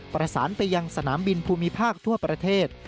ประสานไปยังสนามบินภูมิภาคทั่วประเทศ